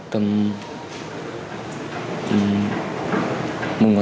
tự chế thuốc pháo nổ